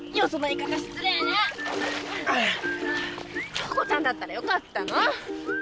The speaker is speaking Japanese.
響子ちゃんだったらよかったの？